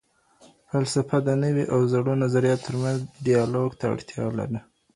فلسفه د نوي او زړو نظریاتو تر منځ دیالوګ ته اړتیا لري.